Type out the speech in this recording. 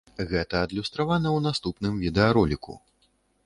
Гэта адлюстравана ў наступным відэароліку.